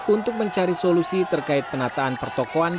untuk mencari solusi terkait penataan pertokohan